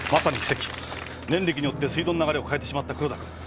念力によって水道の流れを変えてしまった黒田君。